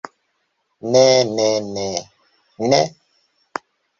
Ne ne ne. Ne!